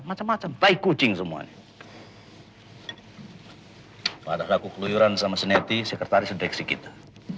macam macam baik kucing semuanya padahal aku keluyuran sama seneti sekretaris deksi kita